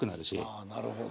ああなるほど。